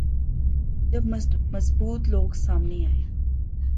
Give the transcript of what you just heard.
جب مضبوط لوگ سامنے آئیں۔